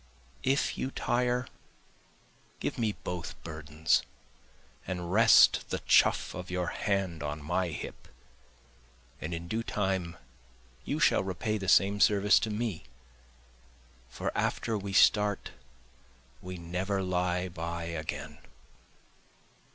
If you tire, give me both burdens, and rest the chuff of your hand on my hip, And in due time you shall repay the same service to me, For after we start we never lie by again.